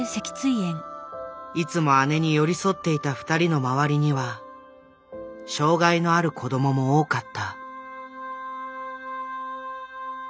いつも姉に寄り添っていた二人の周りには障害のある子どもも多かった。